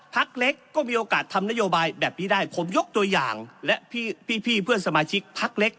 พักเล็กก็มีโอกาสทำนโยบายแบบนี้ได้ผมยกตัวอย่างและพี่เพื่อนสมาชิกพักเล็ก